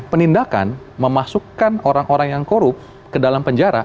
penindakan memasukkan orang orang yang korup ke dalam penjara